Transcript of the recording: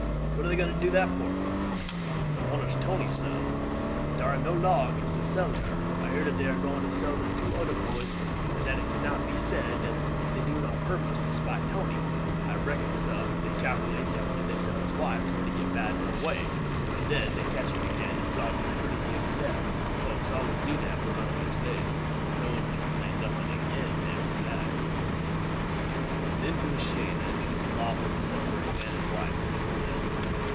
"What are they going to do that for?" "To punish Tony, sah. Dar am no law against dar selling her. I hear dat dey are going to sell two oder boys, so dat it cannot be said dat dey do it on purpose to spite Tony. I reckon, sah, day calculate dat when dey sell his wife Tony get mad and run away, and den when dey catch him again day flog him pretty near to death. Folk always do dat with runaway slaves; no one can say nuffin agin dem for dat." "It's an infamous shame that it should be lawful to separate man and wife," Vincent said.